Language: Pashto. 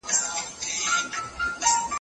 ټولنیز نظم د ګډو اصولو په مرسته ساتل کېږي.